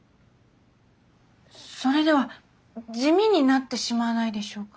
それでは地味になってしまわないでしょうか？